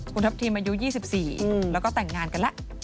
คุณทัพทิมอายุ๒๔แล้วก็แต่งงานกันแล้ว